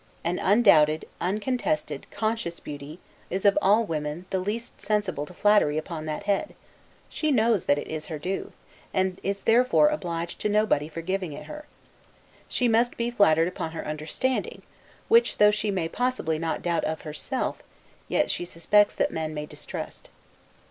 An undoubted, uncontested, conscious beauty, is of all women, the least sensible of flattery upon that head; she knows that it is her due, and is therefore obliged to nobody for giving it her. She must be flattered upon her understanding; which, though she may possibly not doubt of herself, yet she suspects that men may distrust.